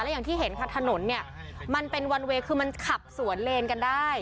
อย่างที่เห็นค่ะถนนเนี่ยมันเป็นวันเวย์คือมันขับสวนเลนกันได้